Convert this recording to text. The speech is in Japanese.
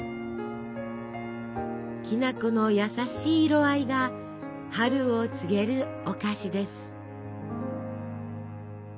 きな粉の優しい色合いが春を告げるお菓子です。